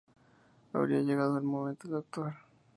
Había llegado el momento de actuar.